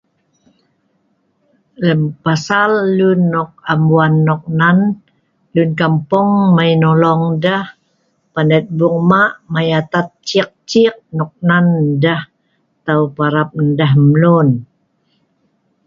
Lem pasal luen nok am wan noknan, luen kampong mai nolong deeh panet bueng maq mai atat ciek-ciek noknan ndeeh taw parap nah deeh mluen